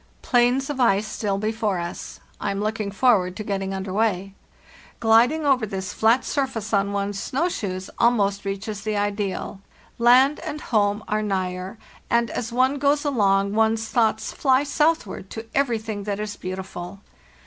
* Plains of ice still before us. I am looking forward to getting under way. Gliding over this flat surface on one's snow shoes almost reaches the ideal; land and home are nigher, and as one goes along one's thoughts fly southward to everything that is beautiful.